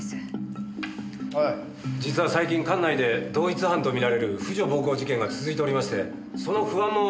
実は最近管内で同一犯と見られる婦女暴行事件が続いておりましてその不安もあったと思われます。